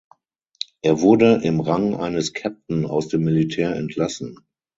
Er wurde im Rang eines Captain aus dem Militär entlassen.